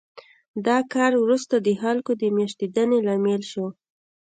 دا کار وروسته د خلکو د مېشتېدنې لامل شو